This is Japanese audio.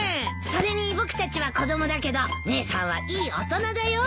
それに僕たちは子供だけど姉さんはいい大人だよ。